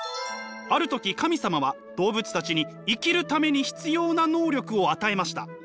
ある時神様は動物たちに生きるために必要な能力を与えました。